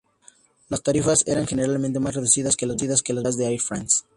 Las tarifas eran generalmente más reducidas que la Business Class de Air France.